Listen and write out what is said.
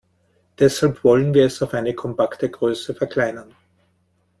Deshalb wollen wir es auf eine kompakte Größe verkleinern.